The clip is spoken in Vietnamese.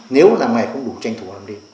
nếu là ngày không đủ tranh thủ năm đêm